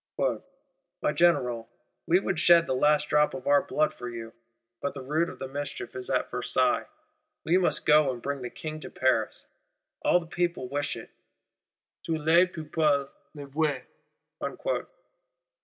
'My General, we would shed the last drop of our blood for you; but the root of the mischief is at Versailles; we must go and bring the King to Paris; all the people wish it, tout le peuple le veut.